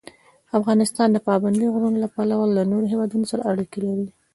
افغانستان د پابندی غرونه له پلوه له نورو هېوادونو سره اړیکې لري.